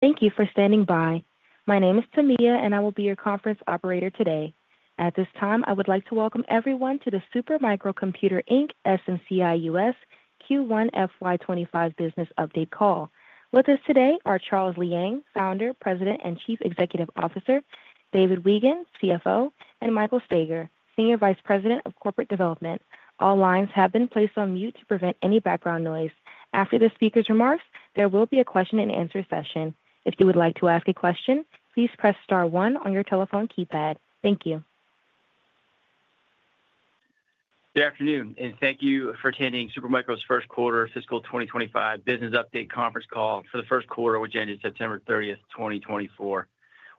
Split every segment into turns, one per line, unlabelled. Thank you for standing by. My name is Tamia, and I will be your conference operator today. At this time, I would like to welcome everyone to the Super Micro Computer Inc. SMCI US Q1 FY25 Business Update Call. With us today are Charles Liang, Founder, President, and Chief Executive Officer, David Weigand, CFO, and Michael Staiger, Senior Vice President of Corporate Development. All lines have been placed on mute to prevent any background noise. After the speaker's remarks, there will be a question-and-answer session. If you would like to ask a question, please press star one on your telephone keypad. Thank you.
Good afternoon, and thank you for attending Super Micro's first quarter fiscal 2025 business update conference call for the first quarter, which ended September 30th, 2024.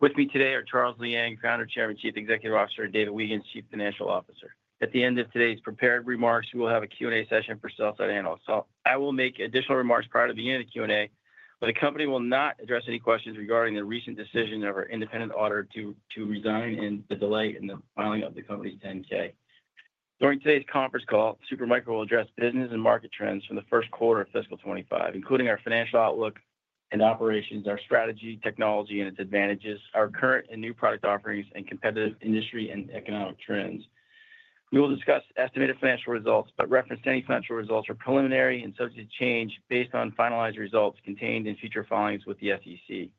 With me today are Charles Liang, Founder, Chairman, Chief Executive Officer; David Weigand, Chief Financial Officer. At the end of today's prepared remarks, we will have a Q&A session for sell-side analysts. I will make additional remarks prior to the beginning of the Q&A, but the company will not address any questions regarding the recent decision of our independent auditor to resign and the delay in the filing of the company's 10-K. During today's conference call, Super Micro will address business and market trends for the first quarter of fiscal 25, including our financial outlook and operations, our strategy, technology and its advantages, our current and new product offerings, and competitive industry and economic trends. We will discuss estimated financial results, but reference any financial results for preliminary and subject to change based on finalized results contained in future filings with the SEC.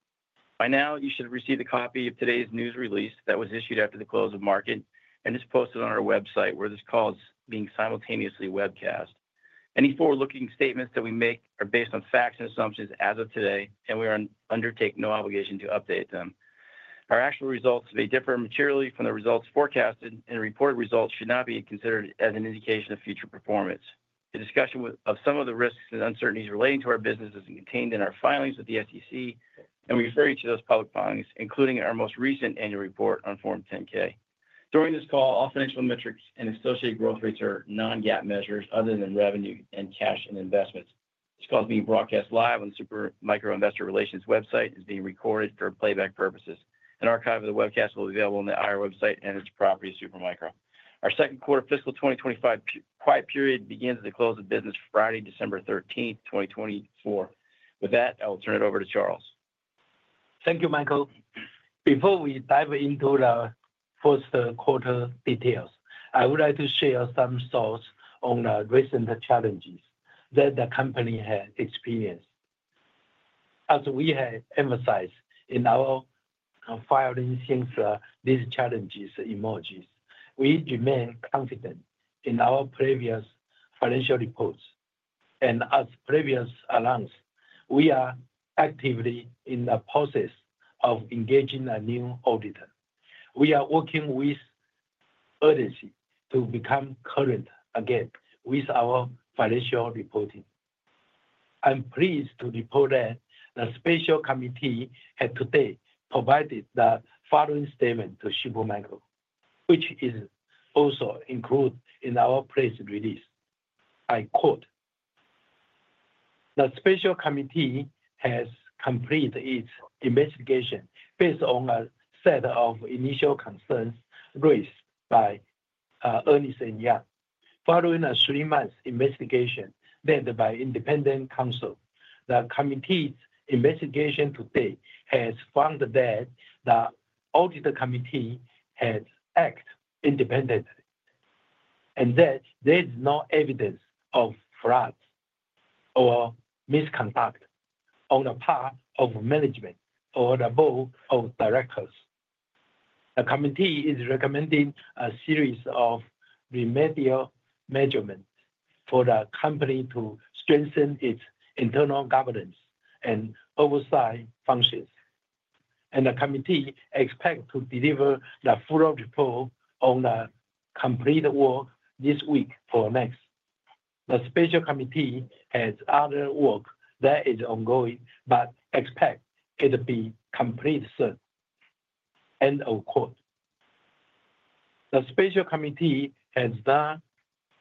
By now, you should have received a copy of today's news release that was issued after the close of market, and it's posted on our website where this call is being simultaneously webcast. Any forward-looking statements that we make are based on facts and assumptions as of today, and we undertake no obligation to update them. Our actual results may differ materially from the results forecasted, and reported results should not be considered as an indication of future performance. The discussion of some of the risks and uncertainties relating to our business is contained in our filings with the SEC, and we refer you to those public filings, including our most recent annual report on Form 10-K. During this call, all financial metrics and associated growth rates are non-GAAP measures other than revenue and cash and investments. This call is being broadcast live on the Super Micro Investor Relations website and is being recorded for playback purposes. An archive of the webcast will be available on the IR website and it's the property of Super Micro. Our second quarter fiscal 2025 quiet period begins at the close of business Friday, December 13th, 2024. With that, I will turn it over to Charles.
Thank you, Michael. Before we dive into the first quarter details, I would like to share some thoughts on the recent challenges that the company has experienced. As we have emphasized in our filing since these challenges emerged, we remain confident in our previous financial reports, and as previously announced, we are actively in the process of engaging a new auditor. We are working with urgency to become current again with our financial reporting. I'm pleased to report that the special committee has today provided the following statement to Super Micro, which is also included in our press release. I quote, "The Special Committee has completed its investigation based on a set of initial concerns raised by Ernst & Young. Following a three-month investigation led by independent counsel, the committee's investigation today has found that the audit committee has acted independently and that there is no evidence of fraud or misconduct on the part of management or the Board of Directors. The committee is recommending a series of remedial measures for the company to strengthen its internal governance and oversight functions. The committee expects to deliver the full report on the completed work this week or next. The Special Committee has other work that is ongoing but expects it to be completed soon. End of quote. The Special Committee has not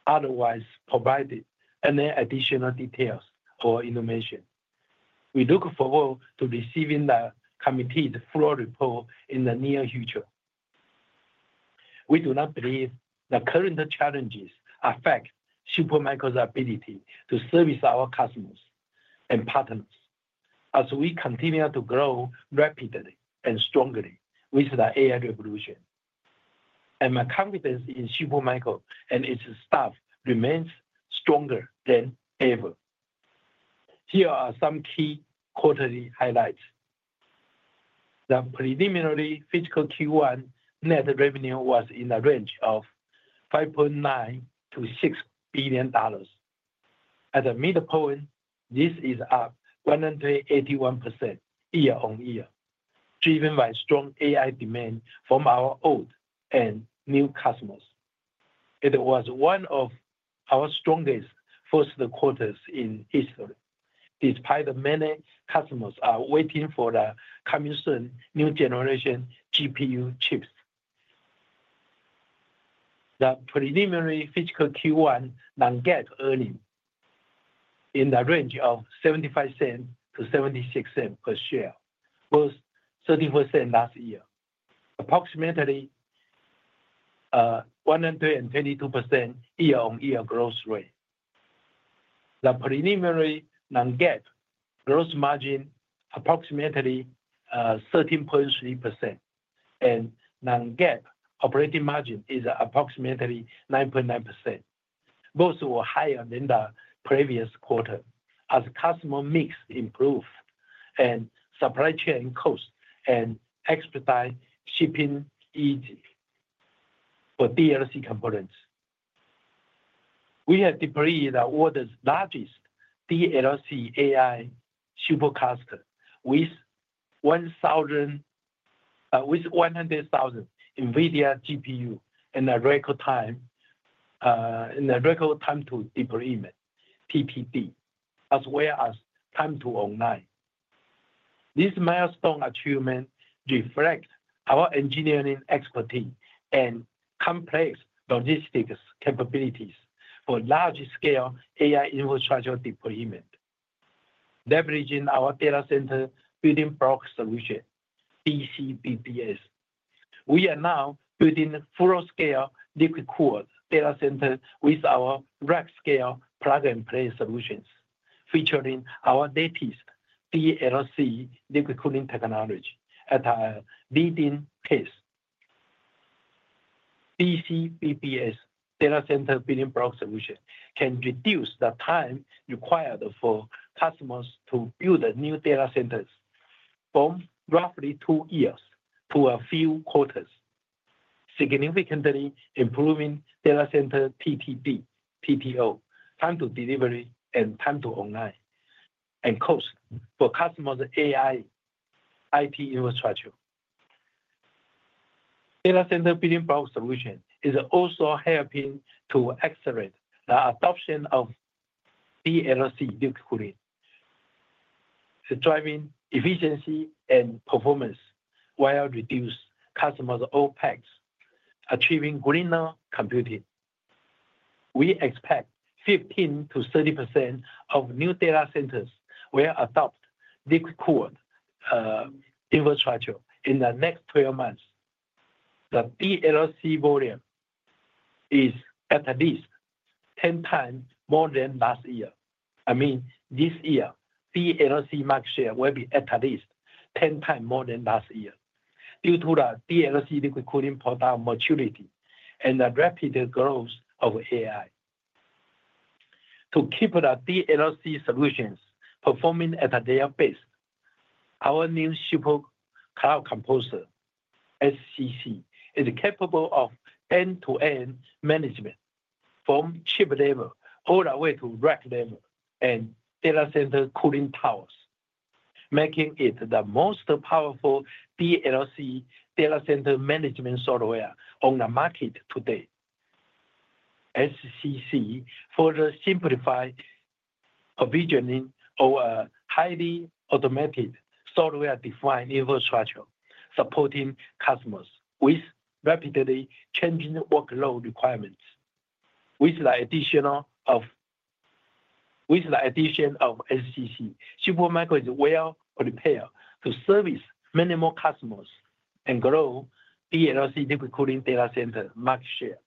otherwise provided any additional details or information. We look forward to receiving the committee's full report in the near future. We do not believe the current challenges affect Super Micro's ability to service our customers and partners as we continue to grow rapidly and strongly with the AI revolution. And my confidence in Super Micro and its staff remains stronger than ever. Here are some key quarterly highlights. The preliminary fiscal Q1 net revenue was in the range of $5.9-$6 billion. At the midpoint, this is up 181% year on year, driven by strong AI demand from our old and new customers. It was one of our strongest first quarters in history, despite the many customers waiting for the coming soon new generation GPU chips. The preliminary fiscal Q1 non-GAAP earnings in the range of $0.75-$0.76 per share, worth 30% last year, approximately 122% year on year growth rate. The preliminary non-GAAP gross margin is approximately 13.3%, and non-GAAP operating margin is approximately 9.9%. Both were higher than the previous quarter as customer mix improved and supply chain costs and expedite shipping easier for DLC components. We have deployed the world's largest DLC AI supercluster with 100,000 NVIDIA GPUs in the record time to deployment, TTD, as well as time to online. This milestone achievement reflects our engineering expertise and complex logistics capabilities for large-scale AI Data Center Building Block Solutions, DCBBS, we are now building full-scale liquid cooled data centers with our rack-scale plug-and-play solutions, featuring our latest DLC liquid cooling technology at Data Center Building Block Solutions can reduce the time required for customers to build new data centers from roughly two years to a few quarters, significantly improving data center TTD, TCO, time to delivery, and time to online, and cost for customers of AI. Data Center Building Block Solutions is also helping to accelerate the adoption of DLC liquid cooling, driving efficiency and performance while reducing customers' OpEx, achieving greener computing. We expect 15%-30% of new data centers will adopt liquid cooled infrastructure in the next 12 months. The DLC volume is at least 10 times more than last year. I mean, this year, DLC market share will be at least 10 times more than last year due to the DLC liquid cooling product maturity and the rapid growth of AI. To keep the DLC solutions performing at their best, our new SuperCloud Composer SCC is capable of end-to-end management from chip level all the way to rack level and data center cooling towers, making it the most powerful DLC data center management software on the market today. SCC further simplifies provisioning of a highly automated software-defined infrastructure supporting customers with rapidly changing workload requirements. With the addition of SCC, Super Micro is well prepared to service many more customers and grow DLC liquid cooling data center market share.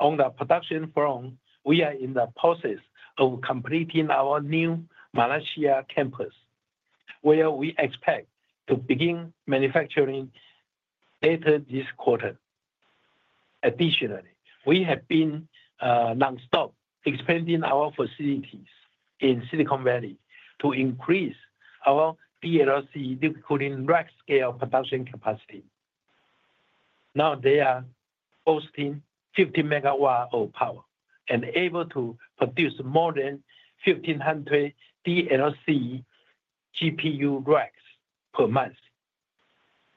On the production front, we are in the process of completing our new Malaysia campus, where we expect to begin manufacturing later this quarter. Additionally, we have been nonstop expanding our facilities in Silicon Valley to increase our DLC liquid cooling rack-scale production capacity. Now they are boasting 50 megawatts of power and able to produce more than 1,500 DLC GPU racks per month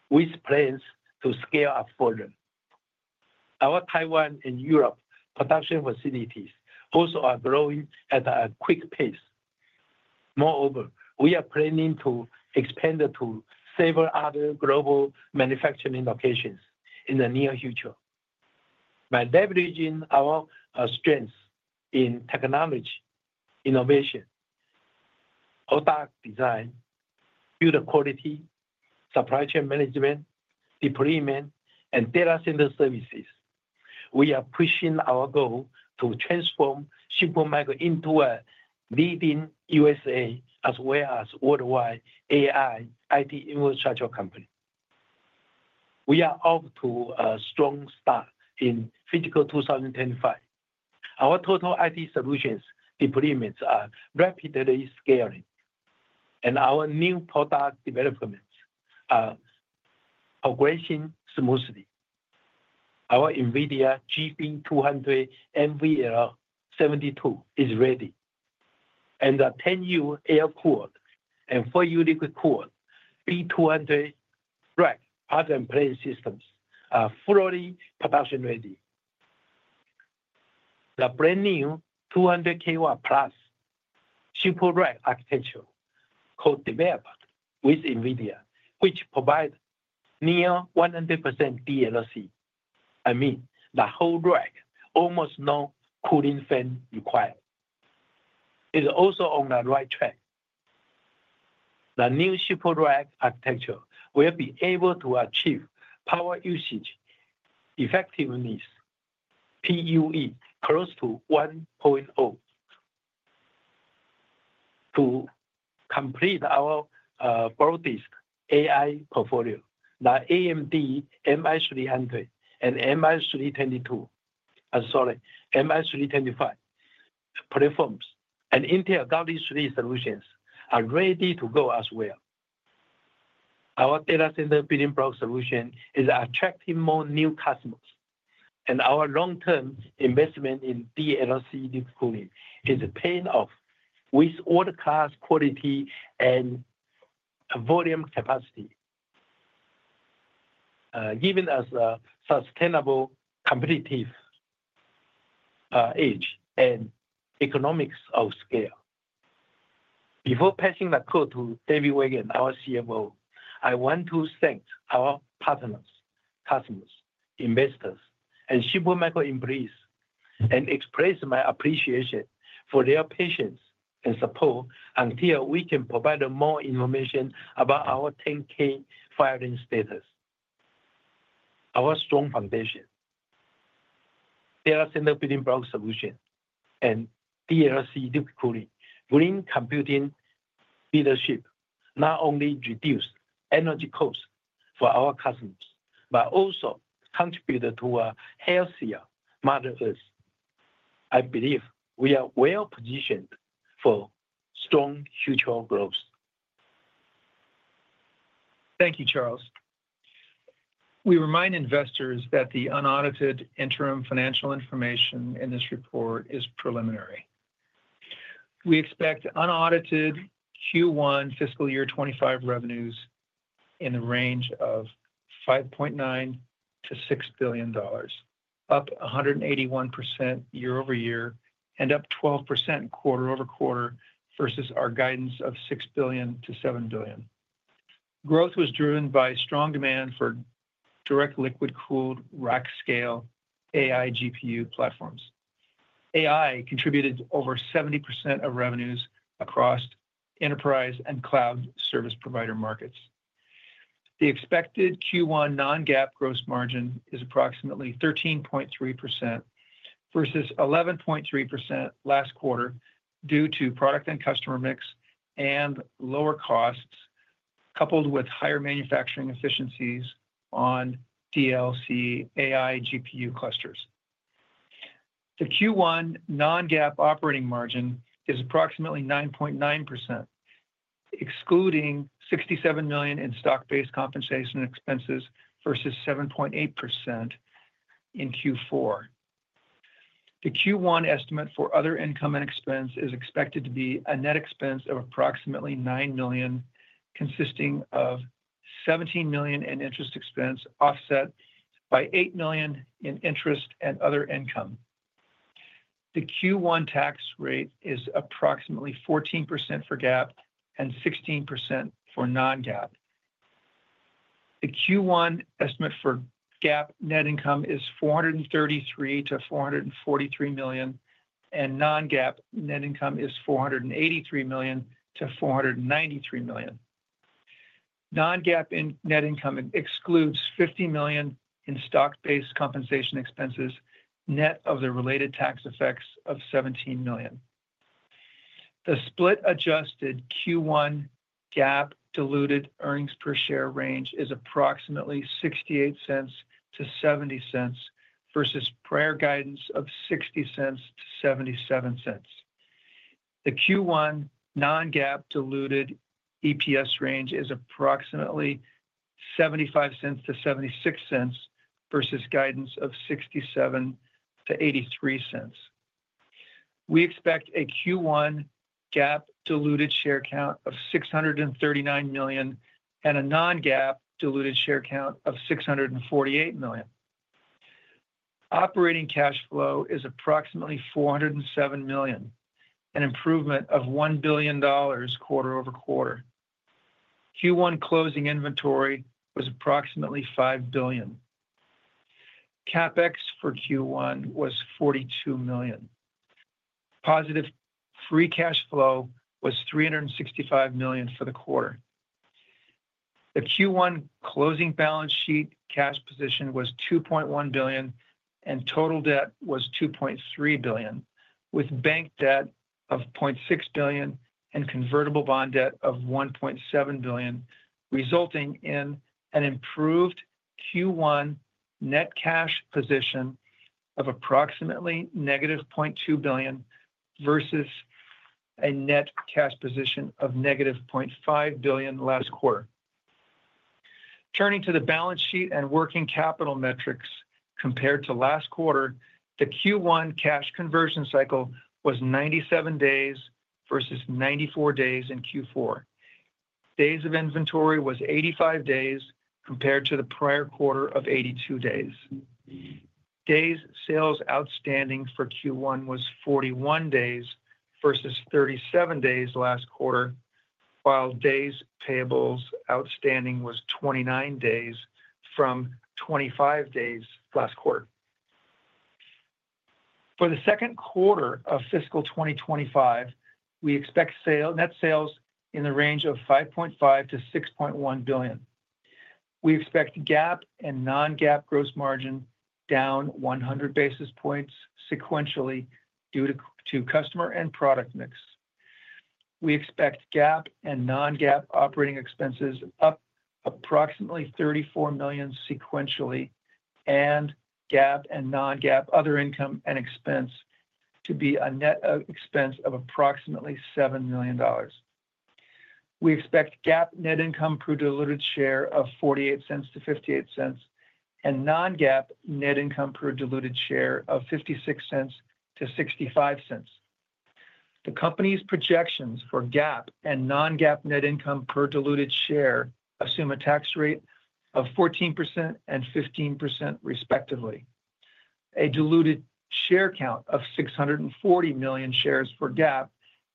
with plans to scale up further. Our Taiwan and Europe production facilities also are growing at a quick pace. Moreover, we are planning to expand to several other global manufacturing locations in the near future. By leveraging our strengths in technology, innovation, product design, build quality, supply chain management, deployment, and data center services, we are pushing our goal to transform Super Micro into a leading USA as well as worldwide AI IT infrastructure company. We are off to a strong start in fiscal 2025. Our total IT solutions deployments are rapidly scaling, and our new product developments are progressing smoothly. Our NVIDIA GB200 NVL72 is ready, and the 10U air-cooled and 4U liquid-cooled B200 rack plug-and-play systems are fully production ready. The brand new 200 kW plus SuperRack architecture co-developed with NVIDIA, which provides near 100% DLC. I mean, the whole rack, almost no cooling fan required. It's also on the right track. The new SuperRack architecture will be able to achieve power usage effectiveness, PUE, close to 1.0. To complete our broadest AI portfolio, the AMD MI300 and MI325 platforms and Intel Gaudi solutions are ready. The Data Center Building Block Solutions is attracting more new customers, and our long-term investment in DLC liquid cooling is paying off with world-class quality and volume capacity, giving us a sustainable competitive edge and economies of scale. Before passing the call to David Weigand, our CFO, I want to thank our partners, customers, investors, and Super Micro employees and express my appreciation for their patience and support until we can provide more information about our 10-K filing. Data Center Building Block Solutions, and DLC liquid cooling, green computing leadership not only reduce energy costs for our customers but also contribute to a healthier Mother Earth. I believe we are well positioned for strong future growth.
Thank you, Charles. We remind investors that the unaudited interim financial information in this report is preliminary. We expect unaudited Q1 fiscal year '25 revenues in the range of $5.9-$6 billion, up 181% year over year and up 12% quarter over quarter versus our guidance of $6-$7 billion. Growth was driven by strong demand for direct liquid-cooled rack-scale AI GPU platforms. AI contributed over 70% of revenues across enterprise and cloud service provider markets. The expected Q1 non-GAAP gross margin is approximately 13.3% versus 11.3% last quarter due to product and customer mix and lower costs coupled with higher manufacturing efficiencies on DLC AI GPU clusters. The Q1 non-GAAP operating margin is approximately 9.9%, excluding $67 million in stock-based compensation expenses versus 7.8% in Q4. The Q1 estimate for other income and expense is expected to be a net expense of approximately $9 million, consisting of $17 million in interest expense offset by $8 million in interest and other income. The Q1 tax rate is approximately 14% for GAAP and 16% for non-GAAP. The Q1 estimate for GAAP net income is $433-$443 million, and non-GAAP net income is $483-$493 million. Non-GAAP net income excludes $50 million in stock-based compensation expenses net of the related tax effects of $17 million. The split-adjusted Q1 GAAP diluted earnings per share range is approximately $0.68-$0.70 versus prior guidance of $0.60-$0.77. The Q1 non-GAAP diluted EPS range is approximately $0.75-$0.76 versus guidance of $0.67-$0.83. We expect a Q1 GAAP diluted share count of 639 million and a non-GAAP diluted share count of 648 million. Operating cash flow is approximately $407 million, an improvement of $1 billion quarter over quarter. Q1 closing inventory was approximately $5 billion. CapEx for Q1 was $42 million. Positive free cash flow was $365 million for the quarter. The Q1 closing balance sheet cash position was $2.1 billion, and total debt was $2.3 billion, with bank debt of $0.6 billion and convertible bond debt of $1.7 billion, resulting in an improved Q1 net cash position of approximately negative $0.2 billion versus a net cash position of negative $0.5 billion last quarter. Turning to the balance sheet and working capital metrics compared to last quarter, the Q1 cash conversion cycle was 97 days versus 94 days in Q4. Days of inventory was 85 days compared to the prior quarter of 82 days. Days sales outstanding for Q1 was 41 days versus 37 days last quarter, while days payables outstanding was 29 days from 25 days last quarter. For the second quarter of fiscal 2025, we expect net sales in the range of $5.5-$6.1 billion. We expect GAAP and non-GAAP gross margin down 100 basis points sequentially due to customer and product mix. We expect GAAP and non-GAAP operating expenses up approximately $34 million sequentially and GAAP and non-GAAP other income and expense to be a net expense of approximately $7 million. We expect GAAP net income per diluted share of $0.48-$0.58 and non-GAAP net income per diluted share of $0.56-$0.65. The company's projections for GAAP and non-GAAP net income per diluted share assume a tax rate of 14% and 15% respectively, a diluted share count of 640 million shares for GAAP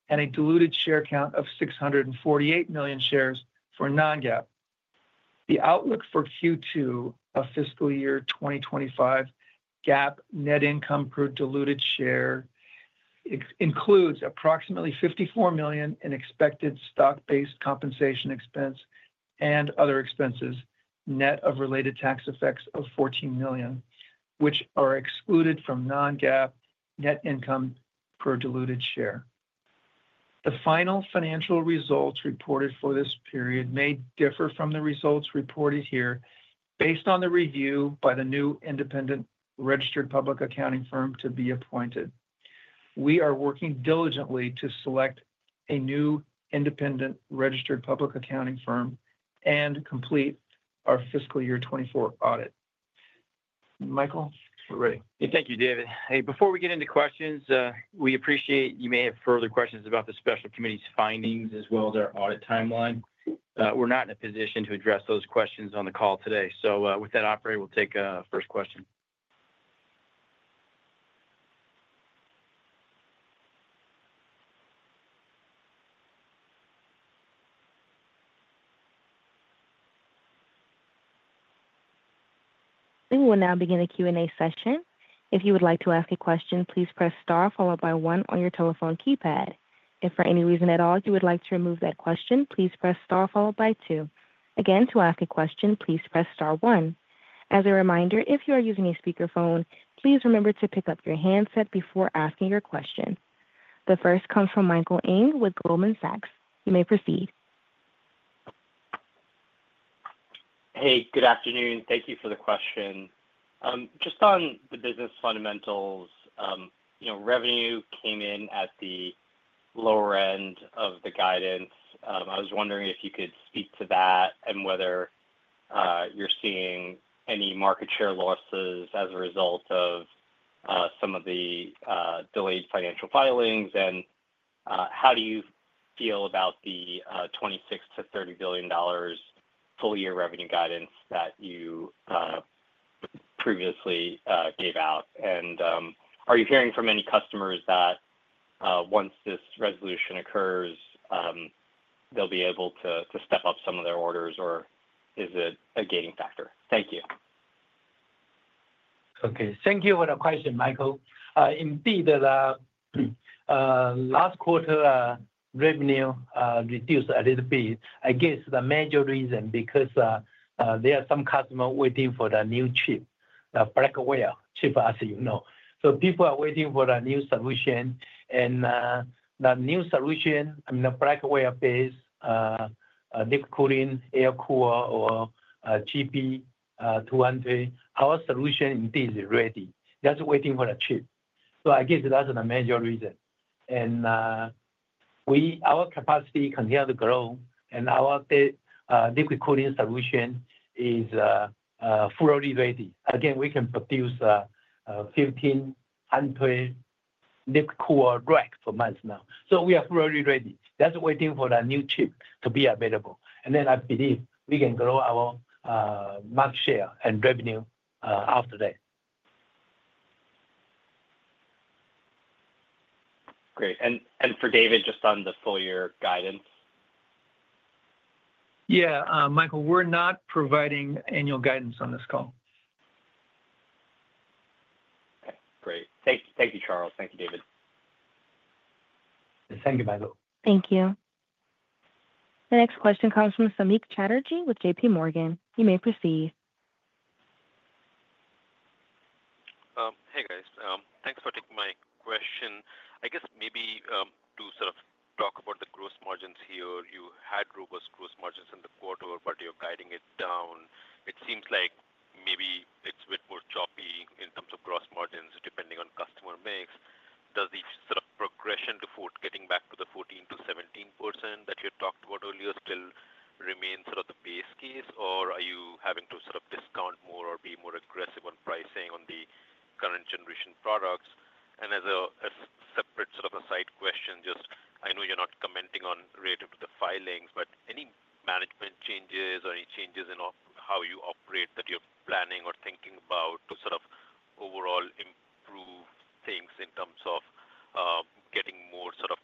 and a diluted share count of 648 million shares for non-GAAP. The outlook for Q2 of fiscal year 2025 GAAP net income per diluted share includes approximately $54 million in expected stock-based compensation expense and other expenses net of related tax effects of $14 million, which are excluded from non-GAAP net income per diluted share. The final financial results reported for this period may differ from the results reported here based on the review by the new independent registered public accounting firm to be appointed. We are working diligently to select a new independent registered public accounting firm and complete our fiscal year 2024 audit. Michael, we're ready.
Thank you, David. Hey, before we get into questions, we appreciate that you may have further questions about the special committee's findings as well as our audit timeline. We're not in a position to address those questions on the call today. So with that, operator, we'll take a first question.
We will now begin the Q&A session. If you would like to ask a question, please press star followed by one on your telephone keypad. If for any reason at all you would like to remove that question, please press star followed by two. Again, to ask a question, please press star one. As a reminder, if you are using a speakerphone, please remember to pick up your handset before asking your question. The first comes from Michael Ng with Goldman Sachs. You may proceed.
Hey, good afternoon. Thank you for the question. Just on the business fundamentals, revenue came in at the lower end of the guidance. I was wondering if you could speak to that and whether you're seeing any market share losses as a result of some of the delayed financial filings. And how do you feel about the $26-$30 billion full-year revenue guidance that you previously gave out? And are you hearing from any customers that once this resolution occurs, they'll be able to step up some of their orders, or is it a gating factor? Thank you.
Okay. Thank you for the question, Michael. Indeed, last quarter revenue reduced a little bit. I guess the major reason because there are some customers waiting for the new chip, the Blackwell chip, as you know. So people are waiting for the new solution. And the new solution, I mean, the Blackwell-based liquid cooling, air-cooled, or GB200, our solution indeed is ready. Just waiting for the chip. So I guess that's the major reason. And our capacity continues to grow, and our liquid cooling solution is fully ready. Again, we can produce 1,500 liquid-cooled racks for months now. So we are fully ready. Just waiting for the new chip to be available. And then I believe we can grow our market share and revenue after that.
Great. And for David, just on the full-year guidance?
Yeah, Michael, we're not providing annual guidance on this call.
Okay. Great. Thank you, Charles. Thank you, David.
Thank you, Michael.
Thank you. The next question comes from Samik Chatterjee with JP Morgan. You may proceed.
Hey, guys. Thanks for taking my question. I guess maybe to sort of talk about the gross margins here. You had robust gross margins in the quarter, but you're guiding it down. It seems like maybe it's a bit more choppy in terms of gross margins depending on customer mix. Does the sort of progression to getting back to the 14%-17% that you talked about earlier still remain sort of the base case, or are you having to sort of discount more or be more aggressive on pricing on the current generation products? And, as a separate sort of a side question, just, I know you're not commenting on related to the filings, but any management changes or any changes in how you operate that you're planning or thinking about to sort of overall improve things in terms of getting more sort of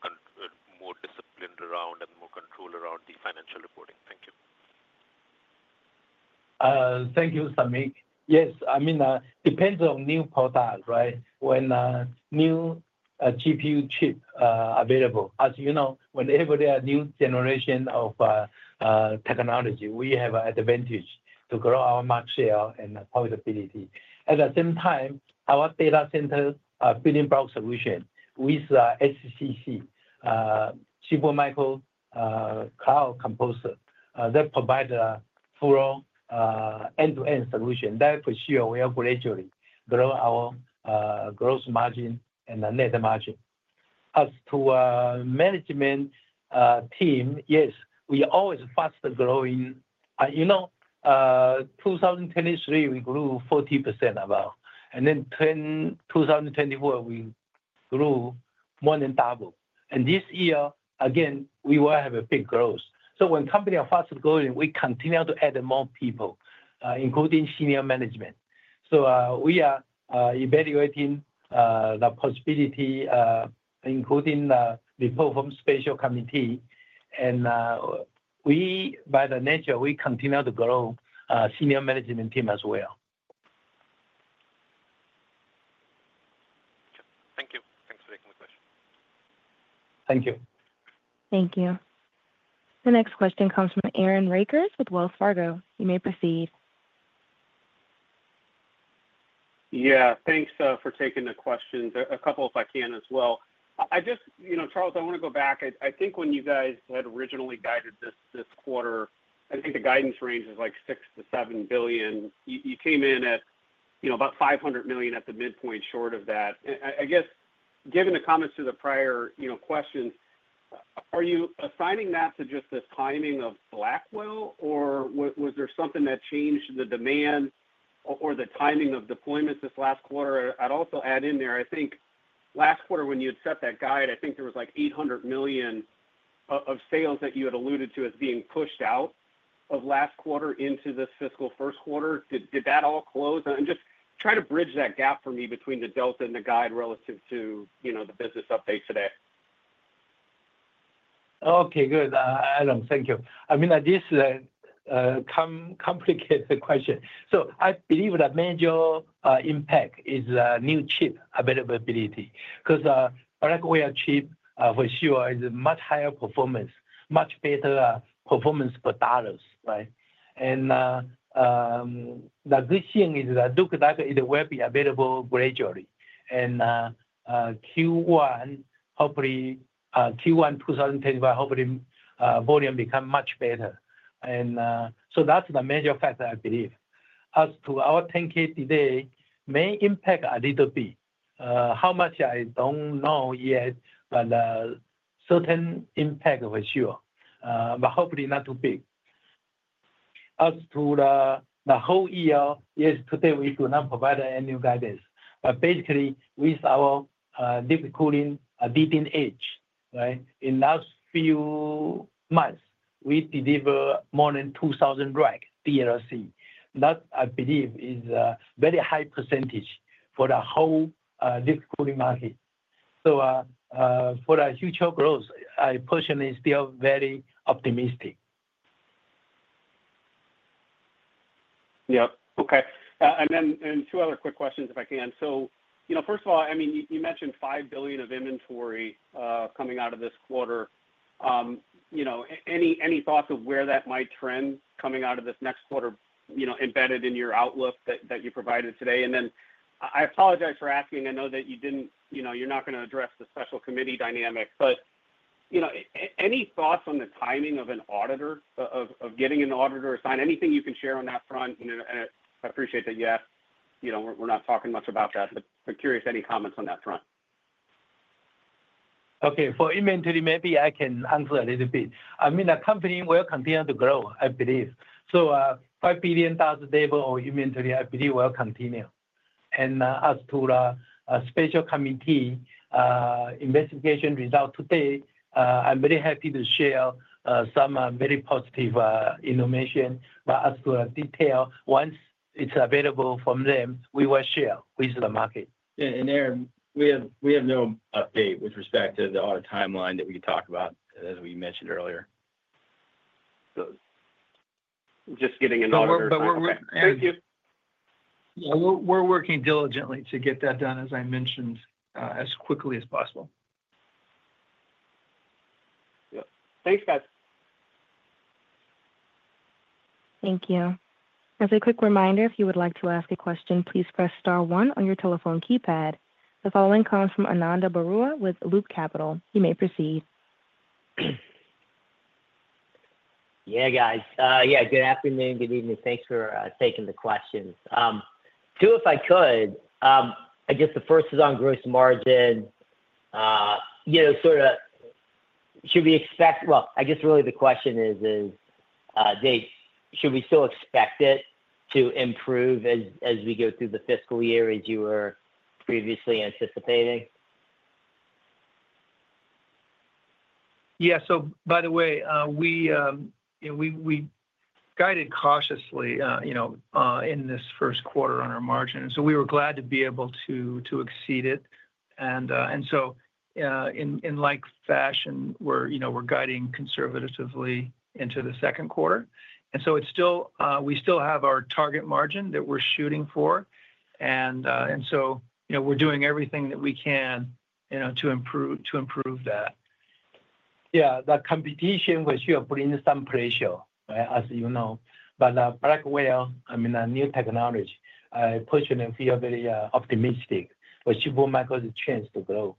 more disciplined around and more control around the financial reporting? Thank you.
Thank you, Samik. Yes, I mean, it depends on new products, right? When new GPU chip available. As you know, whenever there are new generation of technology, we have an advantage to grow our market share and profitability. data center building block solutions with scc, SuperCloud Composer, that provides a full end-to-end solution that will pursue our way of gradually grow our gross margin and net margin. As to management team, yes, we are always fast growing. In 2023, we grew 40% about. And then 2024, we grew more than double. And this year, again, we will have a big growth. So when companies are fast growing, we continue to add more people, including senior management. So we are evaluating the possibility, including the report from special committee. And by the nature, we continue to grow senior management team as well.
Thank you. Thanks for taking the question.
Thank you.
Thank you. The next question comes from Aaron Rakers with Wells Fargo. You may proceed.
Yeah, thanks for taking the questions. A couple if I can as well. I just, Charles, I want to go back. I think when you guys had originally guided this quarter, I think the guidance range is like $6-$7 billion. You came in at about $500 million at the midpoint short of that. I guess given the comments to the prior questions, are you assigning that to just the timing of Blackwell, or was there something that changed the demand or the timing of deployments this last quarter? I'd also add in there, I think last quarter when you had set that guide, I think there was like $800 million of sales that you had alluded to as being pushed out of last quarter into this fiscal first quarter. Did that all close? Just try to bridge that gap for me between the delta and the guide relative to the business update today.
Okay, good. I don't think so. I mean, this complicates the question. So I believe the major impact is new chip availability because Blackwell chip for sure is much higher performance, much better performance per dollars, right? And the good thing is that looks like it will be available gradually. And Q1, hopefully Q1 2025, hopefully volume becomes much better. And so that's the major factor, I believe. As to our 10-K today, may impact a little bit. How much, I don't know yet, but certain impact for sure, but hopefully not too big. As to the whole year, yes, today we do not provide any guidance. But basically, with our liquid cooling leading edge, right, in the last few months, we deliver more than 2,000 racks DLC. That I believe is a very high percentage for the whole liquid cooling market. For the future growth, I personally feel very optimistic.
Yep. Okay. Then two other quick questions if I can. So first of all, I mean, you mentioned $5 billion of inventory coming out of this quarter. Any thoughts on where that might trend coming out of this next quarter embedded in your outlook that you provided today? Then I apologize for asking. I know that you are not going to address the special committee dynamic, but any thoughts on the timing of an auditor, of getting an auditor assigned? Anything you can share on that front? And I appreciate that you asked. We are not talking much about that, but curious any comments on that front.
Okay. For inventory, maybe I can answer a little bit. I mean, the company will continue to grow, I believe. So $5 billion level of inventory, I believe, will continue. And as to the special committee investigation result today, I'm very happy to share some very positive information. But as to the detail, once it's available from them, we will share with the market.
Aaron, we have no update with respect to the audit timeline that we could talk about, as we mentioned earlier.
Just getting an auditor assigned.
Thank you.
We're working diligently to get that done, as I mentioned, as quickly as possible.
Yep. Thanks, guys.
Thank you. As a quick reminder, if you would like to ask a question, please press star one on your telephone keypad. The following comes from Ananda Baruah with Loop Capital. You may proceed.
Yeah, guys. Yeah, good afternoon, good evening. Thanks for taking the questions. Too, if I could, I guess the first is on gross margin. Should we expect, well, I guess really the question is, Dave, should we still expect it to improve as we go through the fiscal year as you were previously anticipating?
Yeah. So by the way, we guided cautiously in this first quarter on our margin. So we were glad to be able to exceed it. And so in like fashion, we're guiding conservatively into the second quarter. And so we still have our target margin that we're shooting for. And so we're doing everything that we can to improve that.
Yeah. The competition will surely bring some pressure, as you know. But Blackwell, I mean, a new technology, I personally feel very optimistic for Super Micro's chance to grow.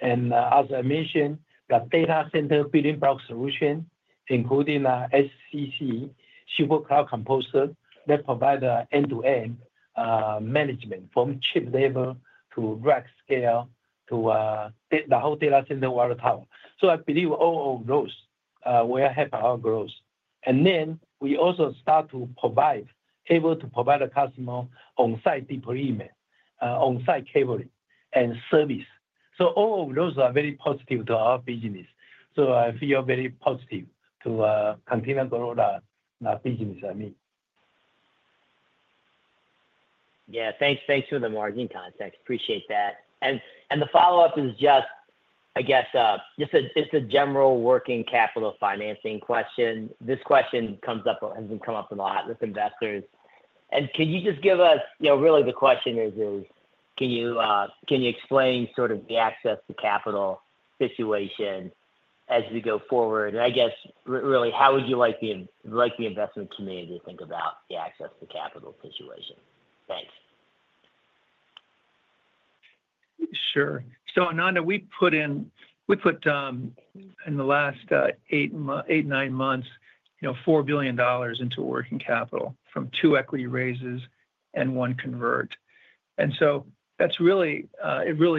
data center building block solutions, including scc, SuperCloud Composer, that provides end-to-end management from chip level to rack scale to the whole data center water tower. So I believe all of those will help our growth. And then we also start to provide, able to provide the customer on-site deployment, on-site cabling, and service. So all of those are very positive to our business. So I feel very positive to continue to grow the business, I mean. Yeah. Thanks for the margin context. Appreciate that. And the follow-up is just, I guess, just a general working capital financing question. This question has come up a lot with investors.
And can you just give us, really, the question is, can you explain sort of the access to capital situation as we go forward? And I guess, really, how would you like the investment community to think about the access to capital situation? Thanks.
Sure. So, Ananda, we put in the last eight, nine months $4 billion into working capital from two equity raises and one convert. And so it really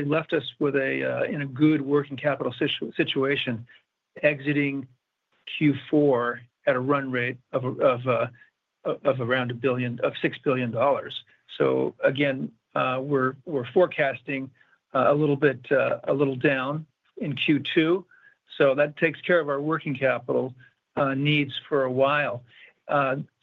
left us in a good working capital situation, exiting Q4 at a run rate of around $6 billion. So again, we're forecasting a little bit down in Q2. So that takes care of our working capital needs for a while.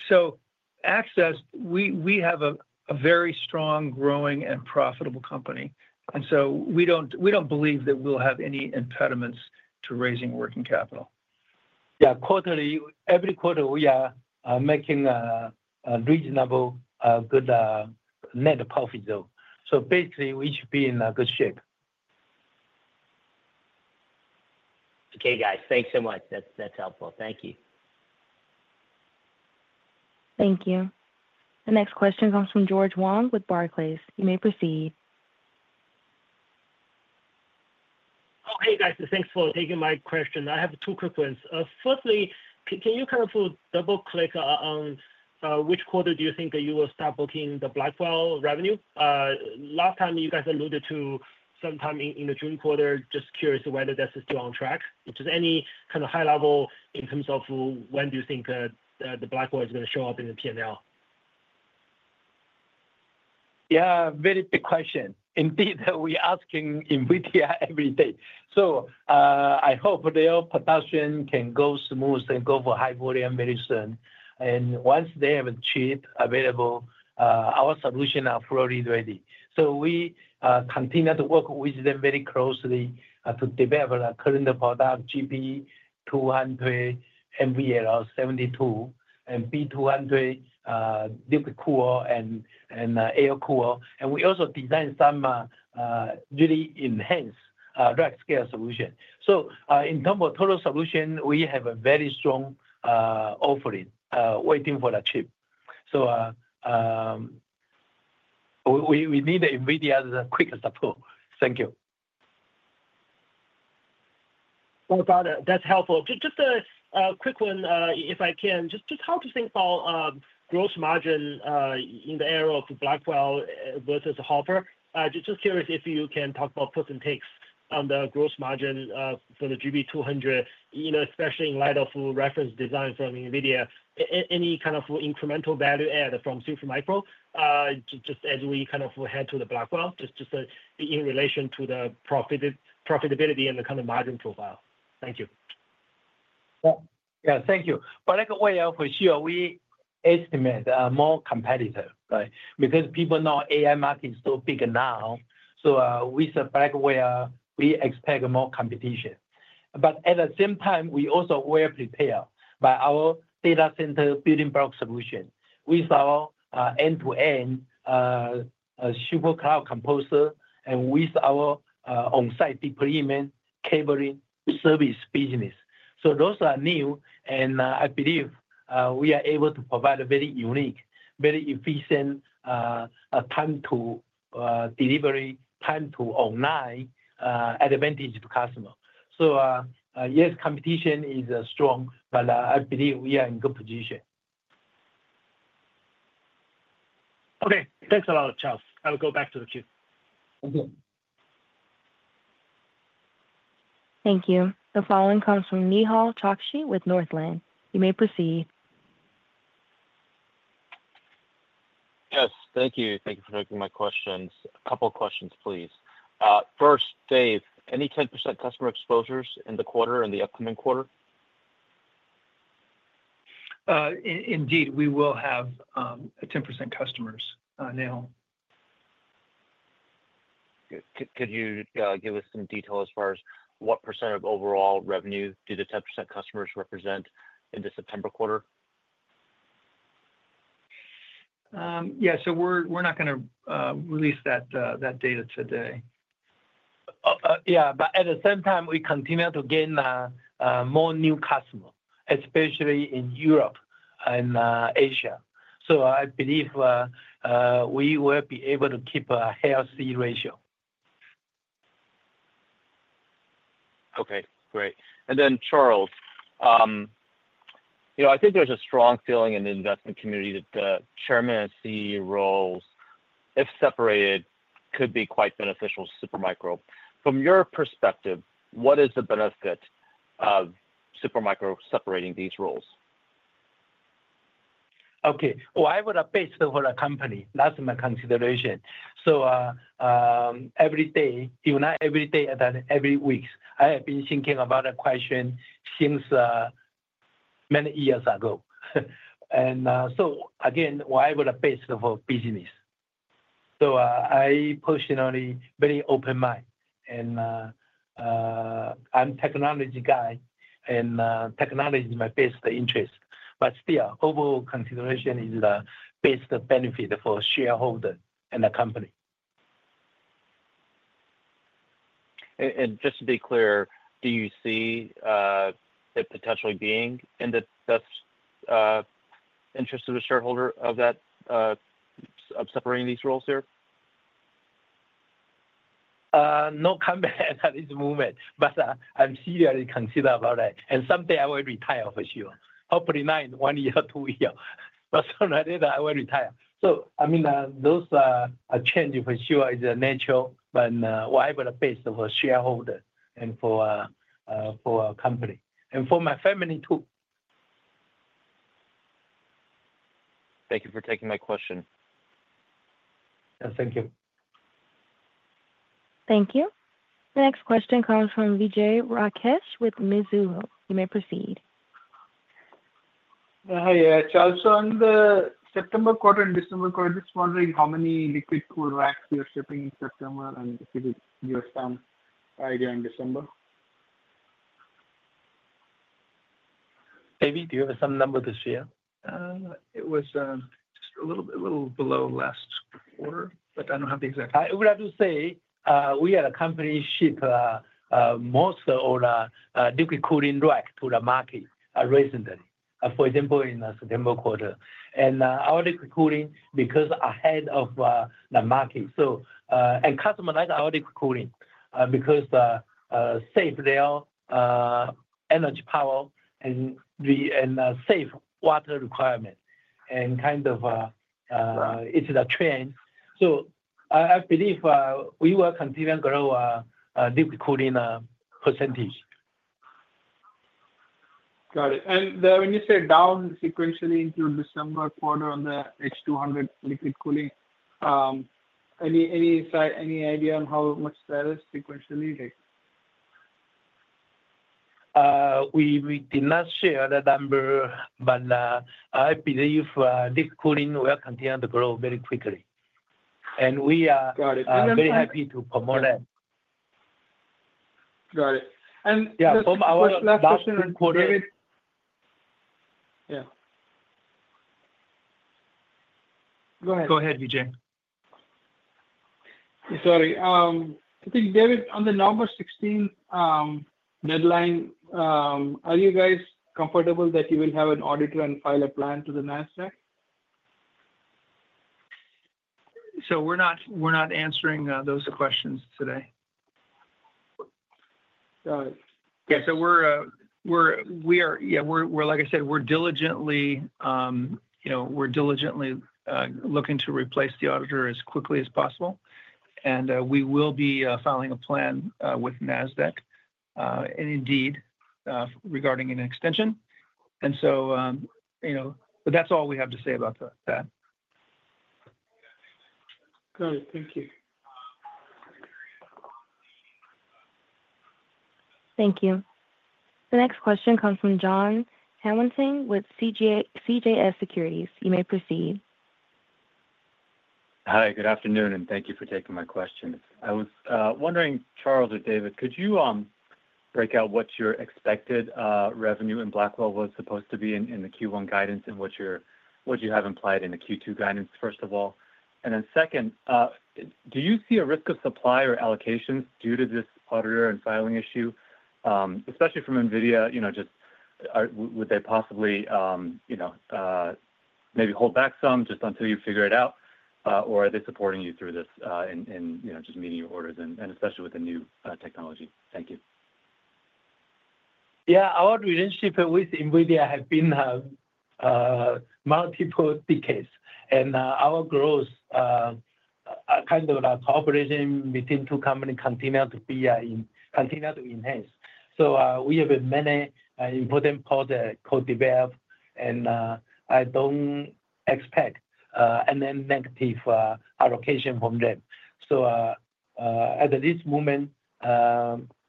So, as is, we have a very strong, growing, and profitable company. And so we don't believe that we'll have any impediments to raising working capital.
Yeah. Every quarter, we are making a reasonable, good net profit, though. So basically, we should be in good shape. Okay, guys. Thanks so much. That's helpful. Thank you.
Thank you. The next question comes from George Wang with Barclays. You may proceed.
Okay, guys. Thanks for taking my question. I have two quick ones. Firstly, can you kind of double-click on which quarter do you think that you will start booking the Blackwell revenue? Last time, you guys alluded to sometime in the June quarter. Just curious whether that's still on track. Just any kind of high level in terms of when do you think the Blackwell is going to show up in the P&L?
Yeah. Very good question. Indeed, we're asking NVIDIA every day. So I hope their production can go smooth and go for high volume very soon. And once they have a chip available, our solution is fully ready. So we continue to work with them very closely to develop a current product, GB200 NVL72, and B200 liquid cooler and air cooler. And we also designed some really enhanced rack-scale solution. So in terms of total solution, we have a very strong offering waiting for the chip. So we need NVIDIA's quick support. Thank you.
That's helpful. Just a quick one, if I can. Just how to think about gross margin in the area of Blackwell versus Hopper. Just curious if you can talk about pros and cons on the gross margin for the GB200, especially in light of reference design from NVIDIA. Any kind of incremental value add from Super Micro just as we kind of head to the Blackwell? Just in relation to the profitability and the kind of margin profile. Thank you.
Yeah. Thank you. But Blackwell for sure, we estimate more competitor, right? Because people know AI market is so big now. So with Blackwell, we expect more competition. But at the same time, we also data center building block solutions with our end-to-end SuperCloud Composer and with our on-site deployment, cabling, service business. So those are new. And I believe we are able to provide a very unique, very efficient time to delivery, time to online advantage to customer. So yes, competition is strong, but I believe we are in good position.
Okay. Thanks a lot, Charles. I'll go back to the chip.
Thank you.
Thank you. The following comes from Nehal Chokshi with Northland. You may proceed.
Yes. Thank you. Thank you for taking my questions. A couple of questions, please. First, Dave, any 10% customer exposures in the quarter and the upcoming quarter?
Indeed, we will have 10% customers now.
Good. Could you give us some detail as far as what % of overall revenue do the 10% customers represent in the September quarter?
Yeah. So we're not going to release that data today.
Yeah, but at the same time, we continue to gain more new customers, especially in Europe and Asia, so I believe we will be able to keep a healthy ratio.
Okay. Great. And then, Charles, I think there's a strong feeling in the investment community that the chairman and CEO roles, if separated, could be quite beneficial to Super Micro. From your perspective, what is the benefit of Super Micro separating these roles?
Okay. I would appreciate for the company. That's my consideration. So every day, if not every day, then every week, I have been thinking about the question since many years ago. And so again, why would I base it for business? So I personally have a very open mind. And I'm a technology guy, and technology is my best interest. But still, overall consideration is the best benefit for shareholders and the company.
Just to be clear, do you see it potentially being in the best interest of the shareholder of separating these roles here?
No comment at this moment, but I'm seriously concerned about it. Someday, I will retire for sure. Hopefully not in one year or two years, but sooner or later, I will retire. I mean, those changes for sure are natural, but why would I base it for shareholders and for our company and for my family too.
Thank you for taking my question.
Thank you.
Thank you. The next question comes from Vijay Rakesh with Mizuho. You may proceed.
Hi, Charles. So on the September quarter and December quarter, just wondering how many liquid cooler racks you're shipping in September and if you did your same idea in December?
David, do you have a same number this year?
It was just a little below last quarter, but I don't have the exact time. I would have to say we had a company ship most of our liquid cooling racks to the market recently, for example, in the September quarter. And our liquid cooling, because ahead of the market. And customers like our liquid cooling because it saves their energy power and saves water requirement and kind of hits the trend. So I believe we will continue to grow liquid cooling percentage.
Got it. And when you say down sequentially into December quarter on the H200 liquid cooling, any idea on how much that is sequentially?
We did not share the number, but I believe liquid cooling will continue to grow very quickly, and we are very happy to promote that.
Got it. And the first last quarter.
Yeah. Go ahead.
Go ahead, Vijay.
Sorry. I think, Dave, on the number 16 deadline, are you guys comfortable that you will have an auditor and file a plan to the Nasdaq?
So we're not answering those questions today. Got it. Yeah. So yeah, like I said, we're diligently looking to replace the auditor as quickly as possible, and we will be filing a plan with Nasdaq, and indeed, regarding an extension, and so that's all we have to say about that. Got it. Thank you.
Thank you. The next question comes from Jon Tanwanteng with CJS Securities. You may proceed.
Hi. Good afternoon. And thank you for taking my question. I was wondering, Charles or David, could you break out what your expected revenue in Blackwell was supposed to be in the Q1 guidance and what you have implied in the Q2 guidance, first of all? And then second, do you see a risk of supply or allocations due to this auditor and filing issue, especially from NVIDIA? Just would they possibly maybe hold back some just until you figure it out? Or are they supporting you through this in just meeting your orders, and especially with the new technology? Thank you.
Yeah. Our relationship with NVIDIA has been multiple decades, and our growth, kind of the cooperation between two companies, continues to enhance. We have many important projects co-developed, and I don't expect any negative allocation from them. At this moment,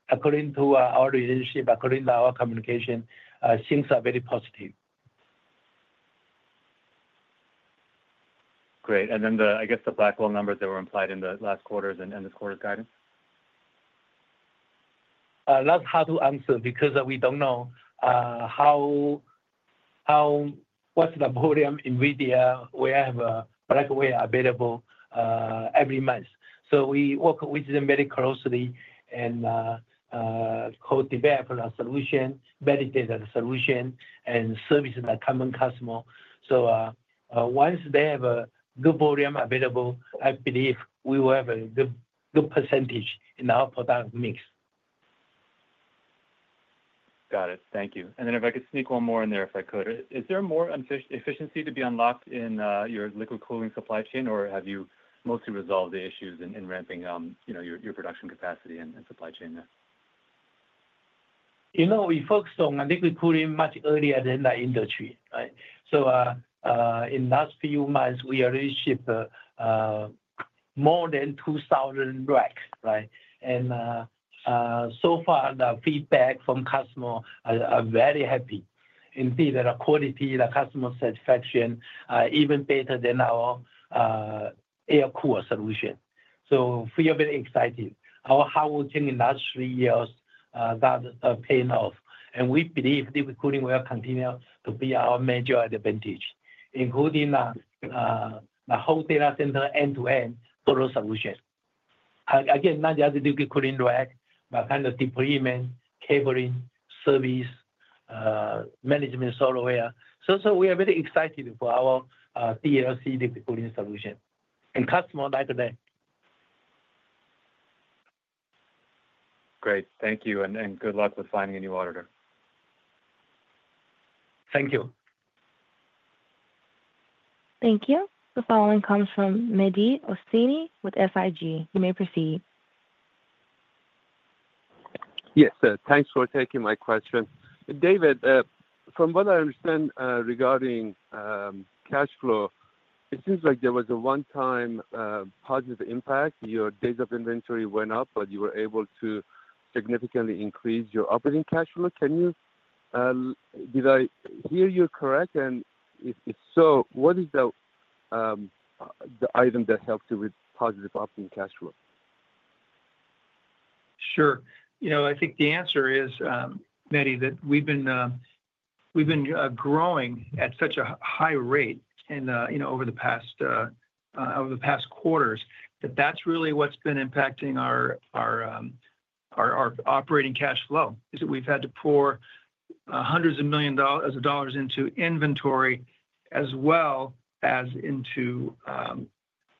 according to our relationship, according to our communication, things are very positive.
Great. And then I guess the Blackwell numbers that were implied in the last quarter's and this quarter's guidance?
That's hard to answer because we don't know what's the volume NVIDIA will have Blackwell available every month. So we work with them very closely and co-develop a solution, validate the solution, and service the common customer. So once they have a good volume available, I believe we will have a good percentage in our product mix.
Got it. Thank you. And then if I could sneak one more in there, if I could. Is there more efficiency to be unlocked in your liquid cooling supply chain, or have you mostly resolved the issues in ramping your production capacity and supply chain there?
We focused on liquid cooling much earlier than the industry, right? So in the last few months, we already shipped more than 2,000 racks, right? And so far, the feedback from customers is very happy. Indeed, the quality, the customer satisfaction, even better than our air cooler solution. So we are very excited. Our hardware chain in the last three years got a payoff. And we believe liquid cooling will continue to be our major advantage, including the whole data center end-to-end total solution. Again, not just liquid cooling racks, but kind of deployment, cabling, service, management, software. So we are very excited for our DLC liquid cooling solution. And customers like that.
Great. Thank you. And good luck with finding a new auditor.
Thank you.
Thank you. The following comes from Mehdi Hosseini with SIG. You may proceed.
Yes. Thanks for taking my question. David, from what I understand regarding cash flow, it seems like there was a one-time positive impact. Your days of inventory went up, but you were able to significantly increase your operating cash flow. Did I hear you correct? And if so, what is the item that helped you with positive operating cash flow? Sure. I think the answer is, Mehdi, that we've been growing at such a high rate over the past quarters that that's really what's been impacting our operating cash flow. We've had to pour hundreds of millions of dollars into inventory as well as into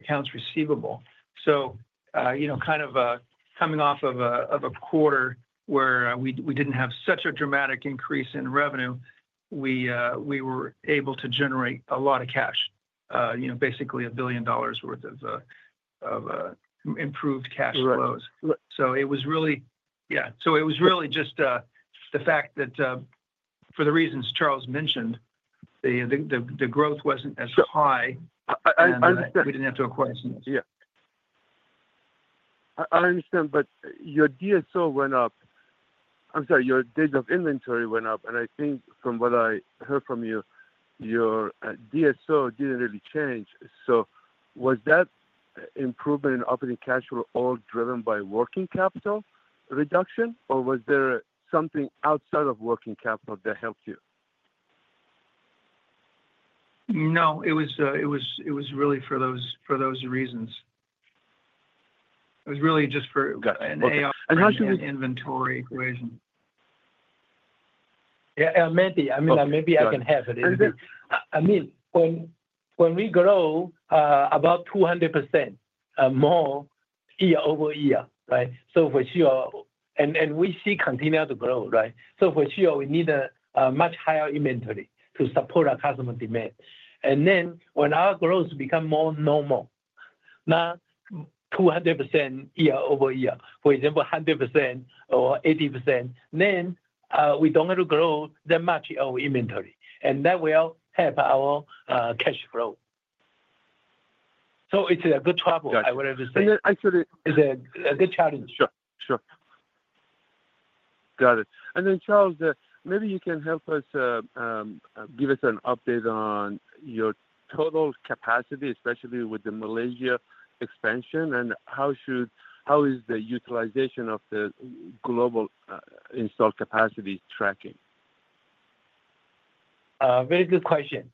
accounts receivable. So kind of coming off of a quarter where we didn't have such a dramatic increase in revenue, we were able to generate a lot of cash, basically $1 billion worth of improved cash flows. So it was really yeah. So it was really just the fact that for the reasons Charles mentioned, the growth wasn't as high.
I understand.
We didn't have to acquire as much.
Yeah. I understand, but your DSO went up. I'm sorry, your days of inventory went up. And I think from what I heard from you, your DSO didn't really change. So was that improvement in operating cash flow all driven by working capital reduction, or was there something outside of working capital that helped you?
No. It was really for those reasons. It was really just for ERP and inventory equation.
Mehdi, I mean, maybe I can help it. I mean, when we grow about 200% more year over year, right? So for sure. And we see continued growth, right? So for sure, we need a much higher inventory to support our customer demand. And then when our growth becomes more normal, not 200% year over year, for example, 100% or 80%, then we don't have to grow that much of our inventory. And that will help our cash flow. So it's a good trouble, I would have to say.
Actually.
It's a good challenge.
Sure. Sure. Got it. And then, Charles, maybe you can help us give us an update on your total capacity, especially with the Malaysia expansion, and how is the utilization of the global installed capacity tracking?
Very good question.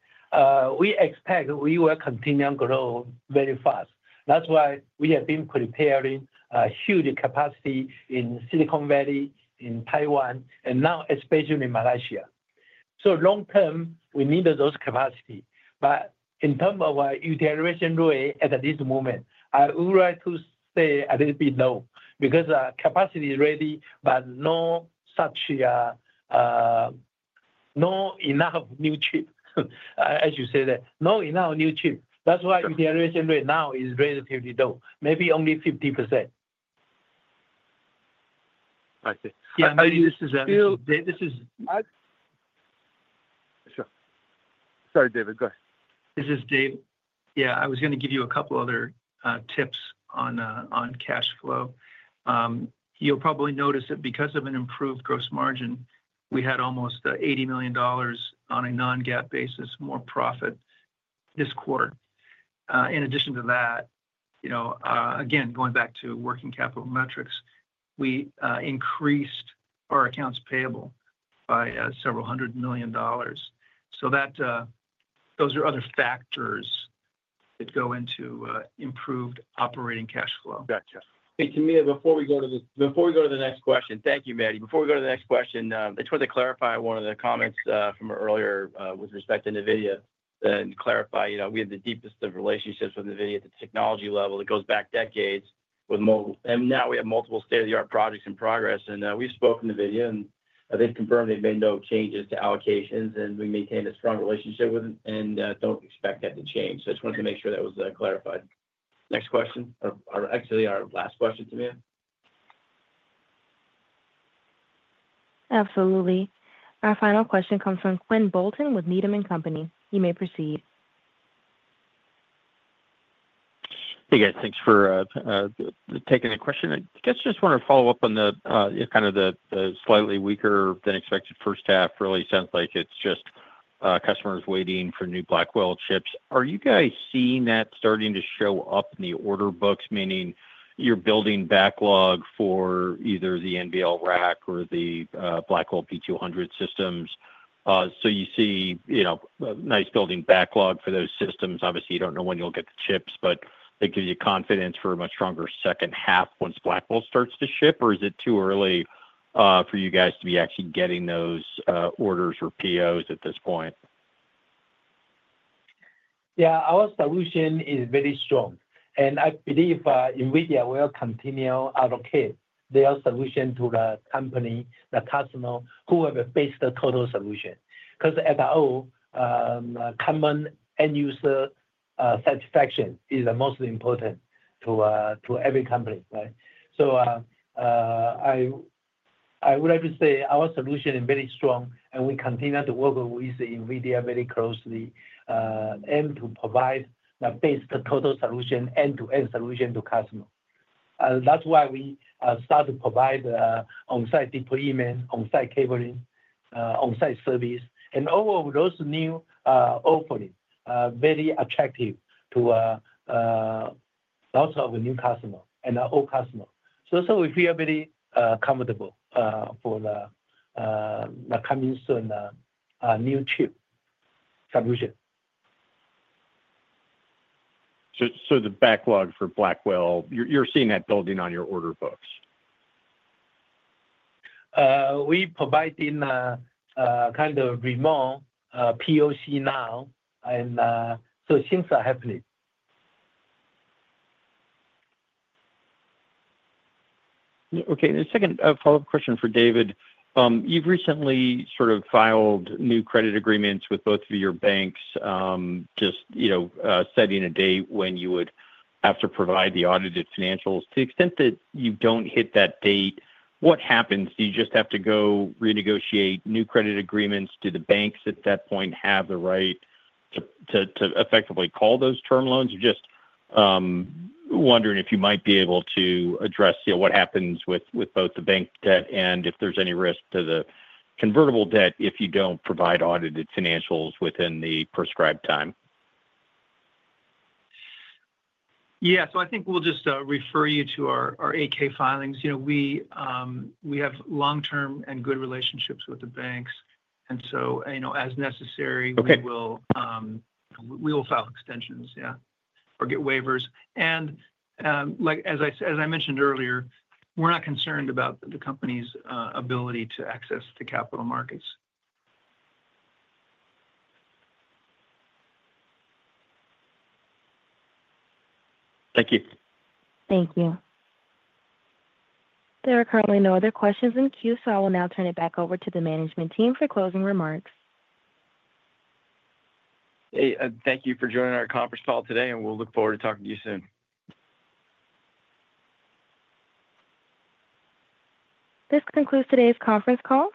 We expect we will continue to grow very fast. That's why we have been preparing a huge capacity in Silicon Valley, in Taiwan, and now especially Malaysia, so long term, we need those capacity, but in terms of our utilization rate at this moment, I would like to say a little bit low because capacity is ready, but not enough new chip, as you said. Not enough new chip. That's why utilization rate now is relatively low, maybe only 50%.
I see. Sure. Sorry, David. Go ahead.
This is Dave. Yeah. I was going to give you a couple of other tips on cash flow. You'll probably notice that because of an improved gross margin, we had almost $80 million on a non-GAAP basis, more profit this quarter. In addition to that, again, going back to working capital metrics, we increased our accounts payable by several hundred million dollars. So those are other factors that go into improved operating cash flow.
Gotcha. Hey, Tamia, before we go to the next question, thank you, Mehdi. Before we go to the next question, I just wanted to clarify one of the comments from earlier with respect to NVIDIA and clarify we have the deepest of relationships with NVIDIA at the technology level that goes back decades. And now we have multiple state-of-the-art projects in progress. And we've spoken to NVIDIA, and they've confirmed they've made no changes to allocations, and we maintain a strong relationship with them and don't expect that to change. So I just wanted to make sure that was clarified. Next question, or actually our last question, Tamia.
Absolutely. Our final question comes from Quinn Bolton with Needham & Company. You may proceed.
Hey, guys. Thanks for taking the question. I guess I just want to follow up on kind of the slightly weaker-than-expected first half. Really sounds like it's just customers waiting for new Blackwell chips. Are you guys seeing that starting to show up in the order books, meaning you're building backlog for either the NVL rack or the Blackwell B200 systems? So you see a nice building backlog for those systems. Obviously, you don't know when you'll get the chips, but it gives you confidence for a much stronger second half once Blackwell starts to ship, or is it too early for you guys to be actually getting those orders or POs at this point?
Yeah. Our solution is very strong, and I believe NVIDIA will continue to allocate their solution to the company, the customer, whoever fits the total solution. Because as I know, common end-user satisfaction is the most important to every company, right? So I would like to say our solution is very strong, and we continue to work with NVIDIA very closely and to provide the best total solution, end-to-end solution to customers. That's why we start to provide on-site deployment, on-site cabling, on-site service, and all of those new offerings are very attractive to lots of new customers and old customers, so we feel very comfortable for the coming soon new chip solution.
So the backlog for Blackwell, you're seeing that building on your order books?
We're providing kind of remote POC now, and so things are happening.
Okay. And a second follow-up question for David. You've recently sort of filed new credit agreements with both of your banks, just setting a date when you would have to provide the audited financials. To the extent that you don't hit that date, what happens? Do you just have to go renegotiate new credit agreements? Do the banks at that point have the right to effectively call those term loans? I'm just wondering if you might be able to address what happens with both the bank debt and if there's any risk to the convertible debt if you don't provide audited financials within the prescribed time.
Yeah. So I think we'll just refer you to our 10-K filings. We have long-term and good relationships with the banks, and so as necessary, we will file extensions, yeah, or get waivers, and as I mentioned earlier, we're not concerned about the company's ability to access the capital markets.
Thank you.
Thank you. There are currently no other questions in queue, so I will now turn it back over to the management team for closing remarks.
Hey, thank you for joining our conference call today, and we'll look forward to talking to you soon.
This concludes today's conference call.